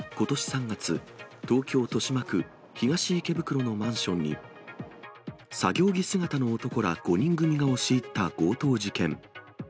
３月、東京・豊島区東池袋のマンションに、作業着姿の男ら５人組が押し入った強盗事件。